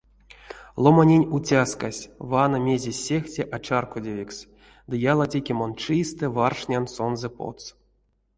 Ломанень уцяскась — вана мезесь сехте а чарькодевикс, ды ялатеке мон чистэ варштнян сонзэ потс.